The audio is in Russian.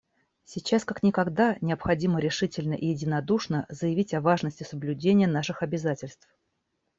Сейчас как никогда необходимо решительно и единодушно заявить о важности соблюдения наших обязательств.